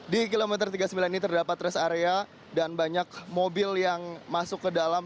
di kilometer tiga puluh sembilan ini terdapat rest area dan banyak mobil yang masuk ke dalam